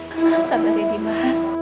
kenapa sampai ini mas